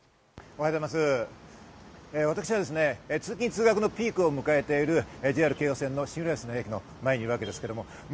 私は通勤・通学のピークを迎えているＪＲ京葉線の新浦安の駅の前にいます。